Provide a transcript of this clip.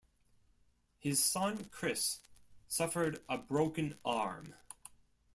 His son Chris suffered a broken arm.